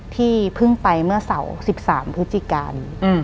ที่เพิ่งไปเมื่อเสาร์๑๓พฤศจิกา